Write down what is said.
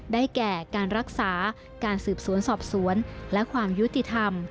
แก่การรักษาการสืบสวนสอบสวนและความยุติธรรม